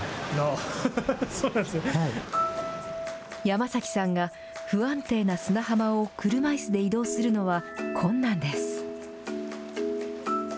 山崎さんが不安定な砂浜を車いすで移動するのは困難です。